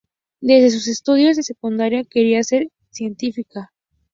Desde sus estudios de secundaria quería ser científica.